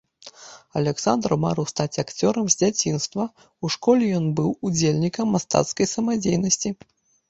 Аляксандр марыў стаць акцёрам з дзяцінства, у школе ён быў удзельнікам мастацкай самадзейнасці.